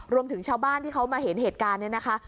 รวมถึงชาวบ้านที่เขามาเห็นเหตุการณ์เนี่ยนะคะ